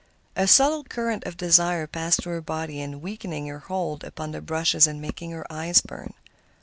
A subtle current of desire passed through her body, weakening her hold upon the brushes and making her eyes burn.